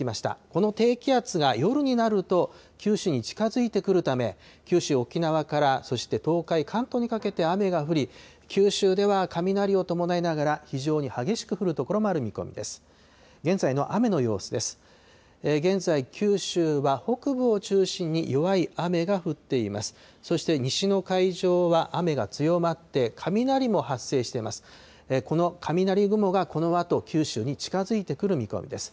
この低気圧が夜になると、九州に近づいてくるため、九州、沖縄からそして東海、関東にかけて雨が降り、九州では雷を伴いながら、非常に激しく降る所もある見込みです。